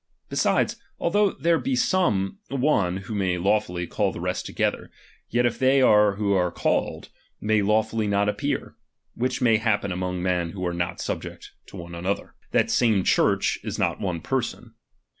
Besides, although there be some one who may ^M lawfully call the rest together ; yet if they who are ^M called, may lawfully not appear ; which may hap ^H pen among men who are not subject one to another i ^| I 278 RELIGION. I, that same Church is not one person.